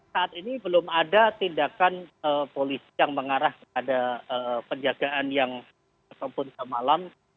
saat ini belum ada tindakan polisi yang mengarah pada penjagaan yang tersebut semalam